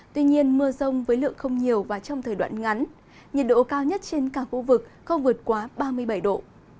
tuy nhiên mưa rông với lượng không nhiều và trong thời đoạn ngắn nhiệt độ cao nhất trên cả khu vực không vượt quá ba mươi bảy độ